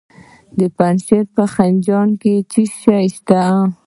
د پنجشیر په خینج کې څه شی شته؟